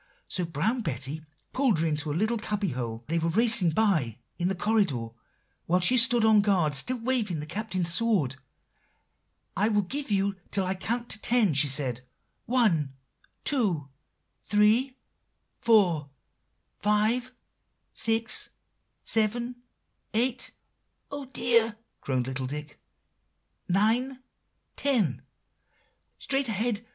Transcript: So Brown Betty pulled her into a little cubby hole, they were racing by, in the corridor, while she stood on guard, still waving the Captain's sword. "'I will give you till I can count ten,' she said. 'One two three four five six seven eight'" "Oh, dear!" groaned little Dick. "'Nine ten' "'Straight ahead!